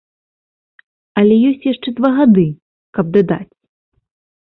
Але ёсць яшчэ два гады, каб дадаць.